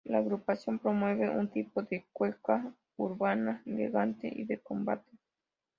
La agrupación promueve un tipo de cueca urbana elegante y de combate.